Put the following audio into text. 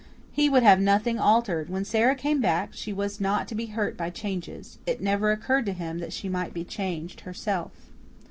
He would have nothing altered. When Sara came back she was not to be hurt by changes. It never occurred to him that she might be changed herself.